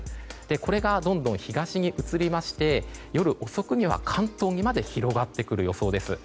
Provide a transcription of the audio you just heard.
これが、どんどん東に移りまして夜遅くには関東にまで広がってくる予想です。